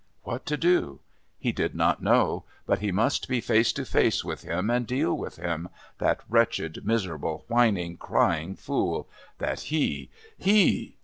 What to do? He did not know. But he must be face to face with him and deal with him that wretched, miserable, whining, crying fool. That he ! HE!...